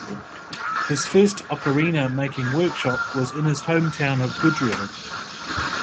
His first ocarina-making workshop was in his hometown of Budrio.